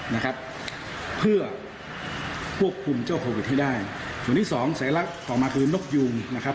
นะครับเพื่อควบคุมเจ้าโควิดให้ได้ส่วนที่สองสัญลักษณ์ต่อมาคือนกยูงนะครับ